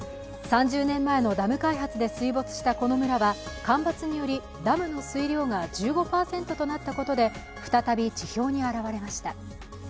３０年前のダム開発で水没したこの村は干ばつによりダムの水量が１５％となったことで再び、地表に現れました。